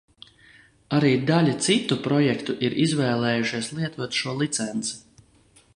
Arī daļa citu projektu ir izvēlējušies lietot šo licenci.